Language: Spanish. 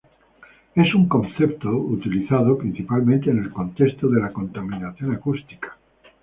Es un concepto utilizado, principalmente, en el contexto de la contaminación acústica.